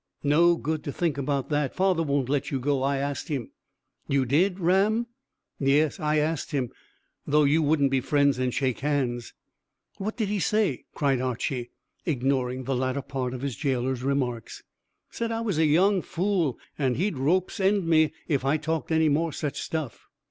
"No good to think about that. Father won't let you go; I asked him." "You did, Ram?" "Yes, I asked him though you wouldn't be friends and shake hands." "What did he say?" cried Archy, ignoring the latter part of his gaoler's remarks. "Said I was a young fool, and he'd rope's end me if I talked any more such stuff."